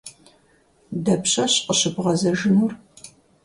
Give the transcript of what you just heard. Дапщэщ къыщыбгъэзэжынур?